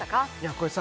これさ